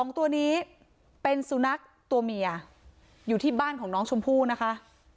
๒ตัวนี้เป็นสุนัขตัวเมียอยู่ที่บ้านของน้องชมพู่นะคะ